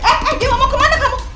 eh eh dewa mau kemana kamu